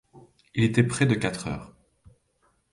Il était près de quatre heures.